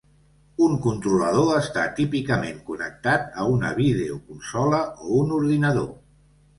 Un controlador està típicament connectat a una videoconsola o un ordinador.